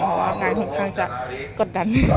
เพราะว่างานค่อนข้างจะกดดัน